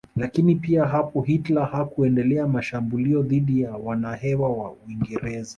Lakini pia hapo Hitler hakuendelea mashambulio dhidi ya wanahewa wa Uingereza